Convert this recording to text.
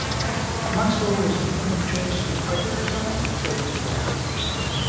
Maxwell was given the choice to either resign or be fired.